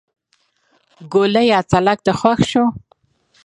ګوليه تلک دې خوښ شو.